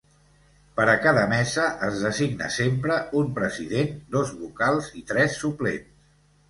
Per a cada mesa es designa sempre un president, dos vocals i tres suplents.